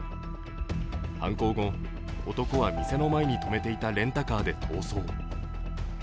犯行後、男は店の前に止めていたレンタカーで逃走。